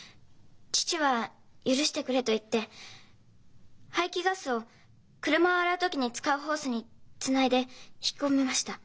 父は「許してくれ」と言って排気ガスを車を洗う時に使うホースにつないで引き込みました。